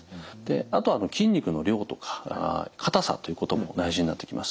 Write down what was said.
あとは筋肉の量とか硬さということも大事になってきます。